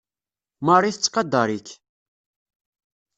Marie tettqadar-ik.